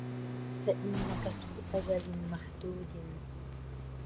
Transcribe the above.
فَإِنَّك فِي أَجَلٍ مَحْدُودٍ